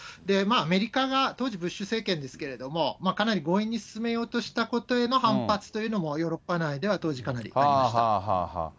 アメリカが、当時、ブッシュ政権ですけども、かなり強引に進めようとしたことへの反発というのも、ヨーロッパ内では当時、かなりありました。